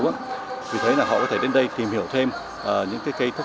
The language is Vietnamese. vì thế là họ có thể đến đây tìm hiểu thêm những cây thuốc